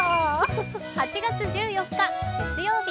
８月１４日月曜日。